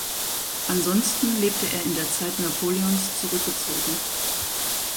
Ansonsten lebte er in der Zeit Napoleons zurückgezogen.